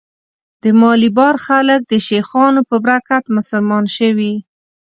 د مالیبار خلک د شیخانو په برکت مسلمان شوي.